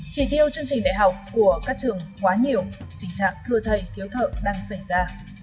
chỉ tiêu chương trình đại học của các trường quá nhiều tình trạng thưa thầy thiếu thợ đang xảy ra